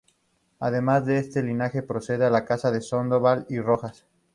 Además de este linaje procede la casa de Sandoval y Rojas.